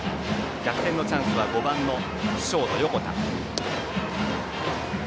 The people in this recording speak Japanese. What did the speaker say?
逆転のチャンスは５番ショートの横田。